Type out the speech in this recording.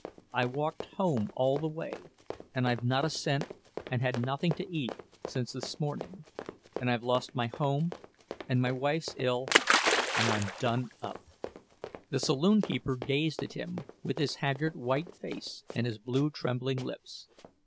I walked home all the way, and I've not a cent, and had nothing to eat since this morning. And I've lost my home, and my wife's ill, and I'm done up." The saloon keeper gazed at him, with his haggard white face and his blue trembling lips.